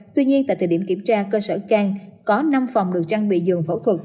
tuy nhiên tại thời điểm kiểm tra cơ sở trang có năm phòng được trang bị giường phẫu thuật